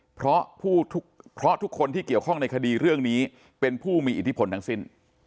เพราะทุกคนที่เกี่ยวข้องในคดีเรื่องนี้เป็นผู้มีอิทธิพลทั้งสิ้น